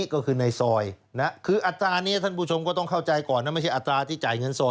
ก็แล้วแต่แต่ให้ตกในจำนวนนี้